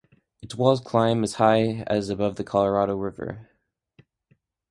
Its walls climb as high as above the Colorado River.